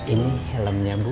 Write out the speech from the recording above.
ini helmnya bu